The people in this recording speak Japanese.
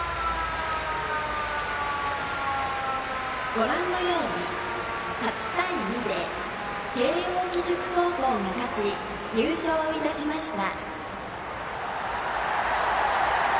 ご覧のように８対２で慶応義塾高校が勝ち優勝いたしました。